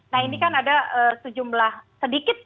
nah ini kan ada sejumlah sedikit